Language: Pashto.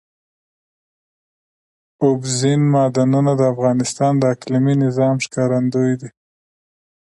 اوبزین معدنونه د افغانستان د اقلیمي نظام ښکارندوی ده.